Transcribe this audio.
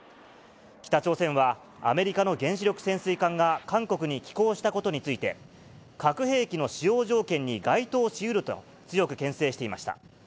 北朝鮮は、アメリカの原子力潜水艦が韓国に寄港したことについて、核兵器の使用条件に該当しうると強くけん制していました。